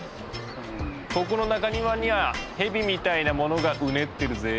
ここの中庭にはヘビみたいなものがうねってるぜ。